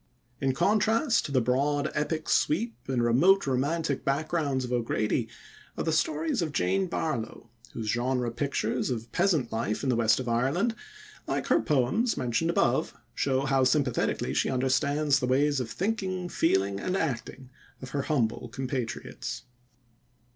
In contrast to the broad epic sweep and remote romantic backgrounds of O'Grady, are the stories of Jane Barlow, whose genre pictures of peasant life in the west of Ireland, like her poems mentioned above, show how sympathetically she understands the ways of thinking, feeling, and acting of her humble compatriots.